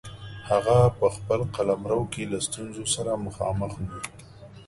هغه په خپل قلمرو کې له ستونزو سره مخامخ وي.